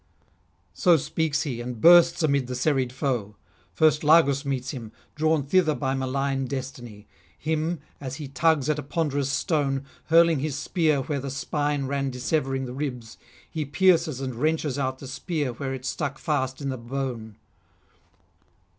So speaks he, and bursts amid the serried foe. First Lagus meets him, drawn thither by malign destiny; him, as he tugs at a ponderous stone, hurling his spear where the spine ran dissevering the ribs, he pierces and wrenches out the spear where it stuck fast in the bone.